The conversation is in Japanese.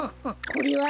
これは？